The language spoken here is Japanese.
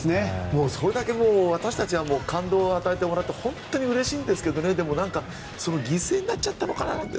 それだけ私たちは感動を与えてもらって本当にうれしいんですけどその犠牲になってしまったのかなと。